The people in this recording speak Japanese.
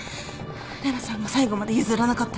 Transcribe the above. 玲奈さんが最期まで譲らなかったから。